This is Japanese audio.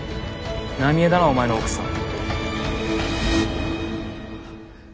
奈美江だなお前の奥さん。